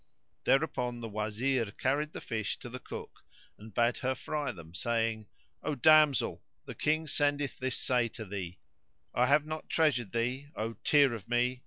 Thereupon the Wazir carried the fish to the cook and bade her fry them[FN#105] saying, "O damsel, the King sendeth this say to thee:—I have not treasured thee, O tear o' me!